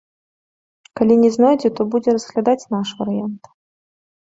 Калі не знойдзе, то будзе разглядаць наш варыянт.